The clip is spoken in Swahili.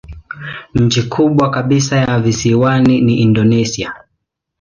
Nchi kubwa kabisa ya visiwani ni Indonesia.